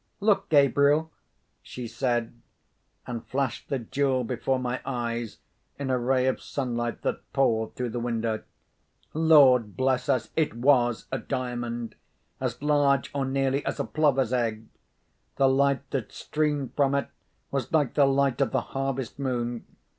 "Look, Gabriel!" she said, and flashed the jewel before my eyes in a ray of sunlight that poured through the window. Lord bless us! it was a Diamond! As large, or nearly, as a plover's egg! The light that streamed from it was like the light of the harvest moon.